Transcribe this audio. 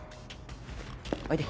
おいで。